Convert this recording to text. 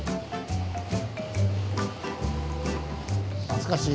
懐かしい。